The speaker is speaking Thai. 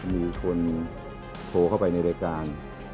มีคนโทรเข้าไปในรายการ